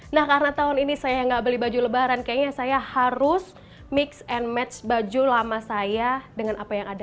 nah karena tahun ini saya yang nggak beli baju lebaran kayaknya saya harus mix and match baju lama saya dengan apa yang ada